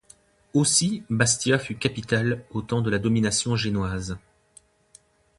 Aussi, Bastia fut capitale au temps de la domination génoise.